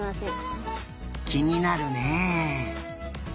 きになるね。